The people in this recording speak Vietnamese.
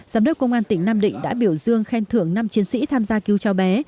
giám đốc công an tỉnh nam định đã biểu dương khen thưởng năm chiến sĩ tham gia cứu cho bé